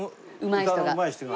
うまい人が。